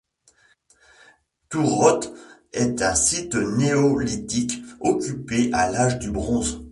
Thourotte est un site néolithique occupé à l'âge du bronze.